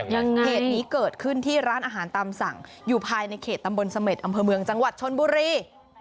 ยังไงเหตุนี้เกิดขึ้นที่ร้านอาหารตามสั่งอยู่ภายในเขตตำบลเสม็ดอำเภอเมืองจังหวัดชนบุรี